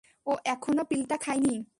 ও এখনও পিলটা খায়নি।